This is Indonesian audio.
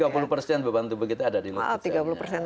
ampir tiga puluh beban tubuh kita ada di lutut